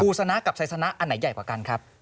ชนะกับชัยชนะอันไหนใหญ่กว่ากันครับ